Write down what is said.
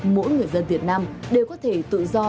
mỗi người dân việt nam đều có thể tự do